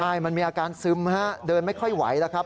ใช่มันมีอาการซึมฮะเดินไม่ค่อยไหวแล้วครับ